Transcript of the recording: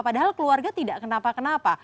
padahal keluarga tidak kenapa kenapa